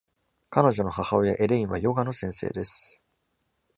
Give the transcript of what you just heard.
彼女の母親、エレインはヨガの先生です。